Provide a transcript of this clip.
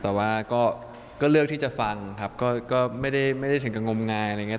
แต่ว่าก็เลือกที่จะฟังครับก็ไม่ได้ถึงกับงมงายอะไรอย่างนี้